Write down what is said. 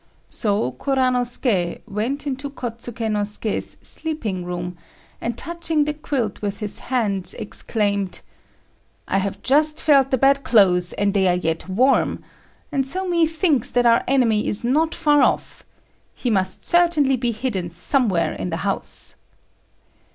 So Kuranosuké went into Kôtsuké no Suké's sleeping room, and touching the quilt with his hands, exclaimed, "I have just felt the bed clothes and they are yet warm, and so methinks that our enemy is not far off. He must certainly be hidden somewhere in the house."